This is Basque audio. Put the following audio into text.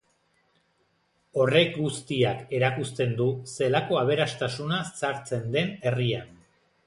Horrek guztiak erakusten du zelako aberastasuna sartzen zen herrian.